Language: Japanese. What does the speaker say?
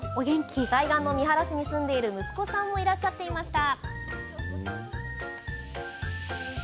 対岸の三原市に住んでいる息子さんもいらっしゃっていました。